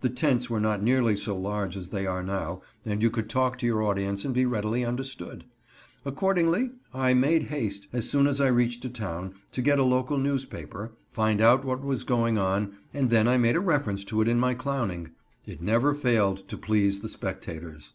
The tents were not nearly so large as they are now and you could talk to your audience and be readily understood. Accordingly, I made haste, as soon as I reached a town, to get a local newspaper, find out what was going on, and then I made a reference to it in my clowning. It never failed to please the spectators.